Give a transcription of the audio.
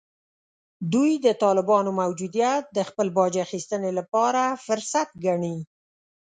دوی د طالبانو موجودیت د خپل باج اخیستنې لپاره فرصت ګڼي